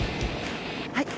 はい。